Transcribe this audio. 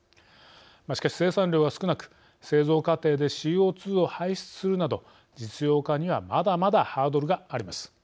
しかし、生産量が少なく製造過程でＣＯ２を排出するなど実用化にはまだまだハードルがあります。